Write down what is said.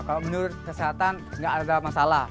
kalau menurut kesehatan nggak ada masalah